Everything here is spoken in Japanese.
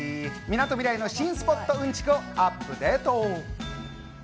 みなとみらいの新スポットうんちくをアップデート。